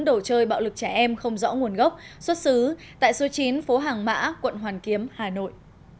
đồ chơi bạo lực trẻ em không rõ nguồn gốc xuất xứ tại số chín phố hàng mã quận hoàn kiếm hà nội